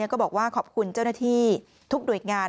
ก็บอกว่าขอบคุณเจ้าหน้าที่ทุกหน่วยงาน